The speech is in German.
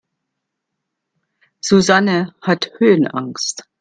Susanne hat Höhenangst.